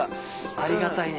ありがたいね。